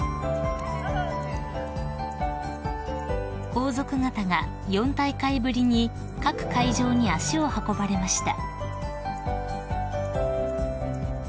［皇族方が４大会ぶりに各会場に足を運ばれました］